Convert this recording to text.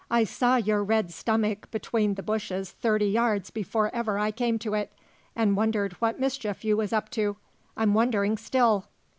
"I saw your red stomach between the bushes thirty yards before ever I came to it, and wondered what mischief you was up to. I'm wondering still."